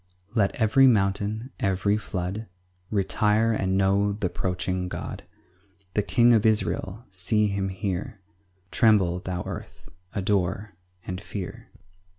5 Let every mountain, every flood, Retire and know th' approaching God, The king of Israel: see him here; Tremble, thou earth, adore and fear.